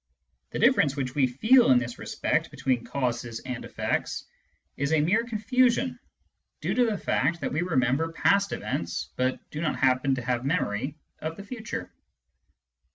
The difference which we feely in this respect, between causes and effects is a mere confusion due to the fact that we remember past events but do not happen to have memory of the future.